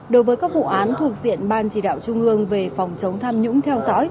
đối với các vụ án thuộc diện ban chỉ đạo trung ương về phòng chống tham nhũng theo dõi